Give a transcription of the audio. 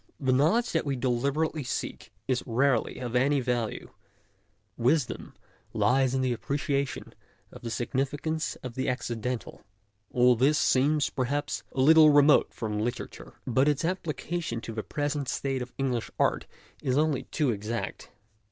The knowledge that we deliber ately seek is rarely of any value ; wisdom lies in appreciation of the significance of the accidental. All this seems, perhaps, a little remote from literature, but its application to the present state of English art is only too exact.